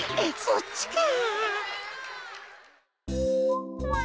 そっちか。